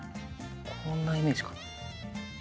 こんなイメージかな。